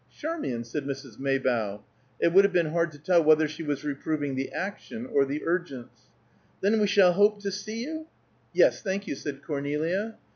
"Charmian!" said Mrs. Maybough. It would have been hard to tell whether she was reproving the action or the urgence. "Then we shall hope to see you?" "Yes, thank you," said Cornelia.